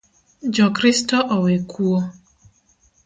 Jo Kristo owe kuo